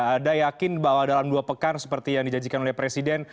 ada yakin bahwa dalam dua pekan seperti yang dijanjikan oleh presiden